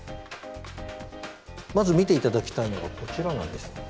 まず見て頂きたいのがこちらなんです。